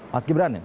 mas gibran ya